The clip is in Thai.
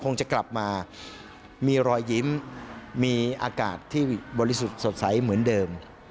คงจะกลับมามีรอยยิ้มมีอากาศที่บริสุทธิ์สดใสเหมือนเดิม